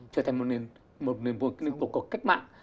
trở thành một cuộc cách mạng